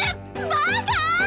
バカ！